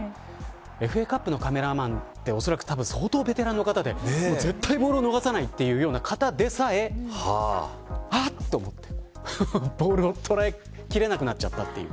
ＦＡカップのカメラマンっておそらく相当ベテランの方で絶対ボールを逃さないという方でさえボールを捉えきれなくなっちゃったと。